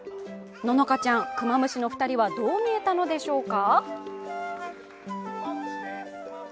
乃々佳ちゃん、クマムシの２人はどう見えたのでしょうか。